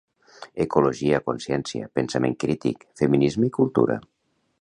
Ecologia, consciència, pensament crític, feminisme i cultura.